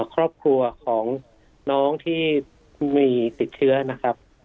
ครอบครัวของน้องที่มีติดเชื้อนะครับ